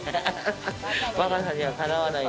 若さにはかなわないよ